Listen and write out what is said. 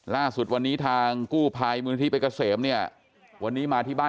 ล่าสุดวันนี้ทางกู้ภัยมือที่เป็นเกษมนี่